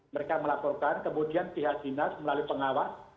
mereka melaporkan kemudian pihak dinas melalui pengawas